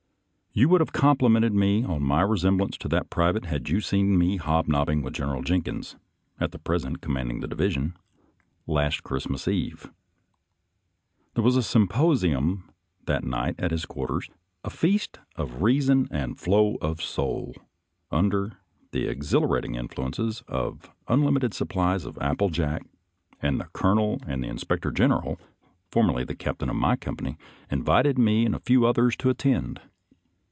You would have complimented me on my re semblance to that private had you seen me hob nobbing with General Jenkins, at present com manding the division, last Christmas Eve. There was a symposium that night at his quarters — a feast of reason and flow of soul, under the exhila rating influences of unlimited supplies of apple jack, and the colonel and inspector general, for 209 210 SOLDIER'S LETTERS TO CHARMING NELLIE merly the captain of my company, invited me and a few others to attend.